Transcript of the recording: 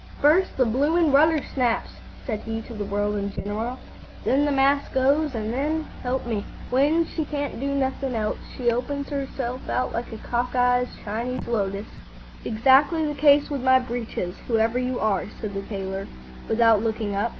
"First the bloomin' rudder snaps," said he to the world in general; "then the mast goes; an' then, s' "help me, when she can't do nothin' else, she opens 'erself out like a cock eyes Chinese lotus." "Exactly the case with my breeches, whoever you are," said the tailor, without looking up.